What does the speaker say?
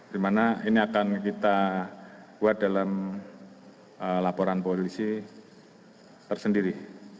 di mana ini akan kita buat dalam laporan polisi tersendiri